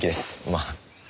まあ。